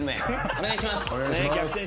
お願いします。